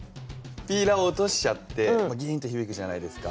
ピーラー落としちゃってぎいんってひびくじゃないですか。